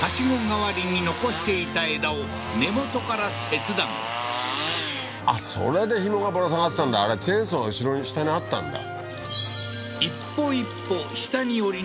代わりに残していた枝を根元から切断あっそれでひもがぶら下がってたんだあれチェーンソーが後ろに下にあったんだ